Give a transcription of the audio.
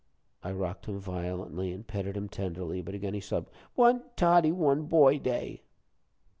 '" I rocked him violently, and petted him tenderly, but again he sobbed: "Want 'Toddie one boy day.'"